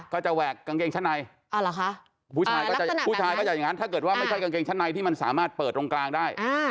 ก็จะแหวกกางเกงชั้นในอ๋อเหรอคะลักษณะแบบนั้นผู้ชายก็จะอย่างงั้นถ้าเกิดว่าไม่ใช่กางเกงชั้นในที่มันสามารถเปิดตรงกลางได้